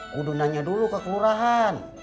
kudu nanya dulu ke kelurahan